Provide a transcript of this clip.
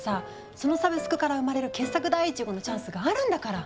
そのサブスクから生まれる傑作第１号のチャンスあるんだから。